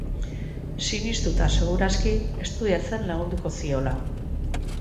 Sinistuta seguruaski, estudiatzen lagunduko ziola.